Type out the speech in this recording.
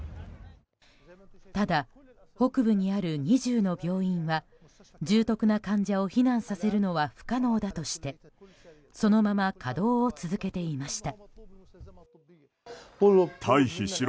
ただ、北部にある２０の病院は重篤な患者を避難させるのは不可能だとしてそのまま稼働を続けていました。